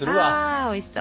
あおいしそう。